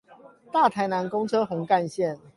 大台南公車紅幹線